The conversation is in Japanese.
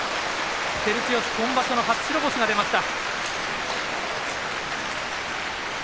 照強、今場所の初白星が出ました。